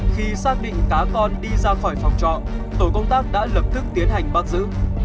khi xác định cá con đi ra khỏi phòng trọ tổ công tác đã lập tức tiến hành bắt giữ